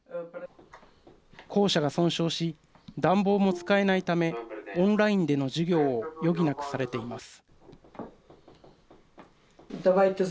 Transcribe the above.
校舎が損傷し暖房も使えないためオンラインでの授業を余儀なくされています。